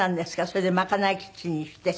それでまかないキッチンにして。